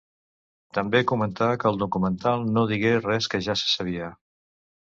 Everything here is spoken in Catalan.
També comentà que el documental no digué res que ja se sabia.